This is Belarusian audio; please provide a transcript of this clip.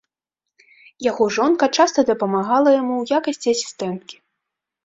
Яго жонка часта дапамагала яму ў якасці асістэнткі.